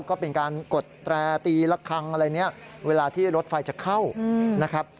ก็เป็นการกดแตรตีละครั้งอะไรเนี่ยเวลาที่รถไฟจะเข้านะครับ